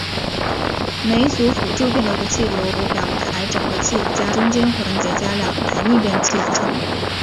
每组辅助变流器由两台整流器加中间环节加两台逆变器组成。